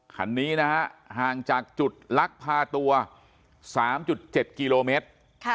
คันนี้นะฮะห่างจากจุดลักพาตัว๓๗กิโลเมตร